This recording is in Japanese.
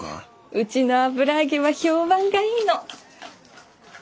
うちの油揚げは評判がいいの。